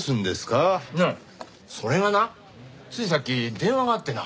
ああそれがなついさっき電話があってな。